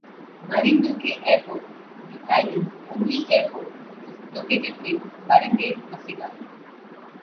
Marinduque Airport, the island's only airport, is located in Barangay Masiga.